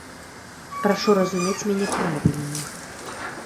Прашу разумець мяне правільна.